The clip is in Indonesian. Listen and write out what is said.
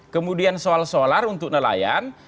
kemudian soal solar untuk nelayan